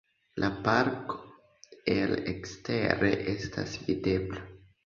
La parko el ekstere estas videbla.